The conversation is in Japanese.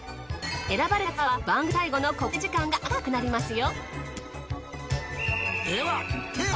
選ばれたツアーは番組最後の告知時間が長くなりますよ。